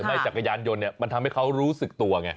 มันทำให้เขารู้สึกตัวไง